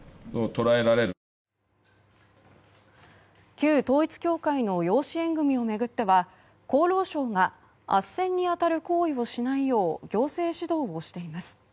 旧統一教会の養子縁組を巡っては厚労省があっせんに当たる行為をしないよう行政指導をしています。